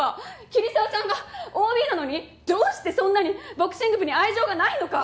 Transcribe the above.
桐沢さんがＯＢなのにどうしてそんなにボクシング部に愛情がないのか！